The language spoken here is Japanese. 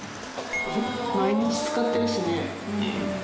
毎日使ってるしね。